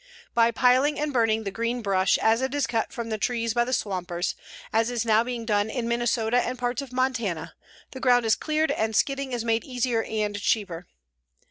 By piling and burning the green brush as it is cut from the trees by the swampers, as is now being done in Minnesota and parts of Montana, the ground is cleared and skidding is made easier and cheaper.